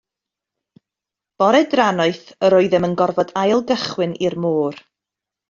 Bore drannoeth yr oeddem yn gorfod ail gychwyn i'r môr.